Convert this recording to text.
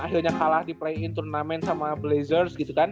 akhirnya kalah di play in tournament sama blazers gitu kan